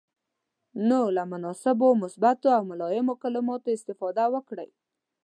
نو له مناسبو، مثبتو او ملایمو کلماتو استفاده وکړئ.